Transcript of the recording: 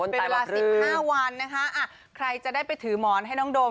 เป็นเวลา๑๕วันนะคะใครจะได้ไปถือหมอนให้น้องโดม